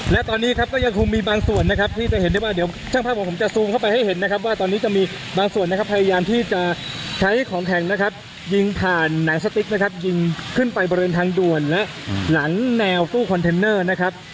และตอนนี้ครับก็ยังคงมีบางส่วนนะครับที่จะเห็นได้ว่าเดี๋ยวช่างภาพของผมจะซูมเข้าไปให้เห็นนะครับว่าตอนนี้จะมีบางส่วนนะครับพยายามที่จะใช้ของแข็งนะครับยิงผ่านหนังสติ๊กนะครับยิงขึ้นไปบริเวณทางด่วนและหลังแนวตู้คอนเทนเนอร์นะครับ